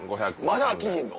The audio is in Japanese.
まだ飽きひんの？